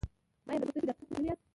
ایا د پوستکي ډاکټر ته تللي یاست؟